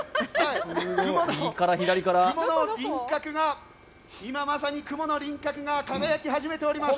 雲の輪郭が今、まさに雲の輪郭が輝き始めております。